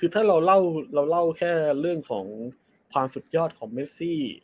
ถ้าเราเล่าเรื่องของความศุดยอดของแมซิ